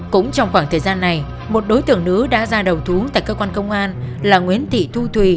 cũng trong khoảng thời gian này một đối tượng nữ đã ra đầu thú tại cơ quan công an là nguyễn thị thu thùy